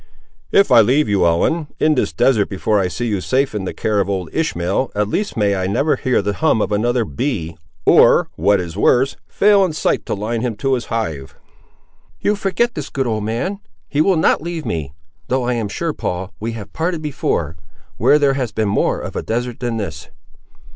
"If I leave you, Ellen, in this desert before I see you safe in the care of old Ishmael, at least, may I never hear the hum of another bee, or, what is worse, fail in sight to line him to his hive!" "You forget this good old man. He will not leave me. Though I am sure, Paul, we have parted before, where there has been more of a desert than this."